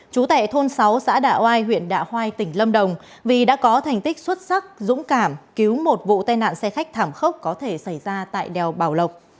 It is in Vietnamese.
trú tại thôn sáu xã đạ oai huyện đạ hoai tỉnh lâm đồng vì đã có thành tích xuất sắc dũng cảm cứu một vụ tai nạn xe khách thảm khốc có thể xảy ra tại đèo bảo lộc